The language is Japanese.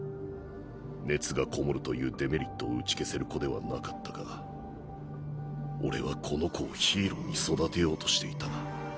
熱が篭もるというデメリットを打ち消せる子ではなかったが俺はこの子をヒーローに育てようとしていた。